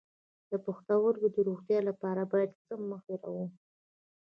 د پښتورګو د روغتیا لپاره باید څه مه هیروم؟